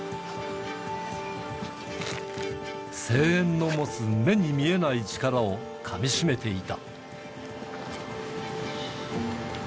声援の持つ目に見えない力をかみしめていた。